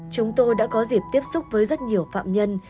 chúng tôi đã có dịp tiếp xúc với rất nhiều phạm nhân